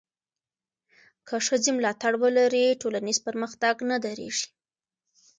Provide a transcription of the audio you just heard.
که ښځې ملاتړ ولري، ټولنیز پرمختګ نه درېږي.